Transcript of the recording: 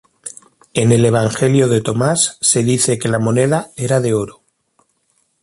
En el evangelio de Tomás se dice que la moneda era de oro.